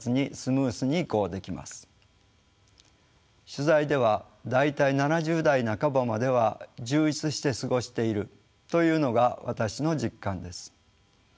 取材では大体７０代半ばまでは充実して過ごしているというのが私の実感です。